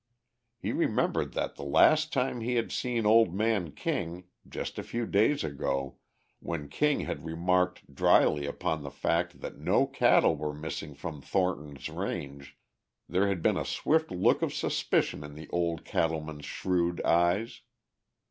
He remembered that the last time he had seen old man King, just a few days ago, when King had remarked drily upon the fact that no cattle were missing from Thornton's range, there had been a swift look of suspicion in the old cattle man's shrewd eyes.